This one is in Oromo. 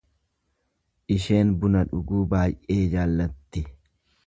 Isheen buna dhuguu baay'ee jaallatti.